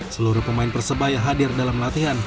seluruh pemain persebaya hadir dalam latihan